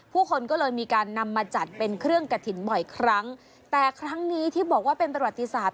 ผู้คนก็เลยมีการนำมาจัดเป็นเครื่องกระถิ่นบ่อยครั้งแต่ครั้งนี้ที่บอกว่าเป็นประวัติศาสต